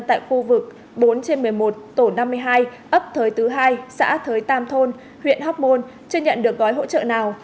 tại khu vực bốn trên một mươi một tổ năm mươi hai ấp thới tứ hai xã thới tam thôn huyện hóc môn chưa nhận được gói hỗ trợ nào